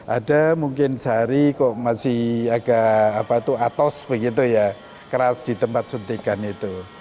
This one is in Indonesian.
ada mungkin sehari kok masih agak apa itu atos begitu ya keras di tempat suntikan itu